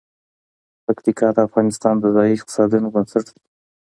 پکتیکا د افغانستان د ځایي اقتصادونو بنسټ دی.